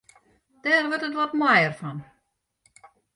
Dêr wurdt it wat moaier fan.